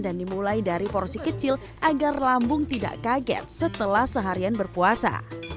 dan dimulai dari porsi kecil agar lambung tidak kaget setelah seharian berpuasa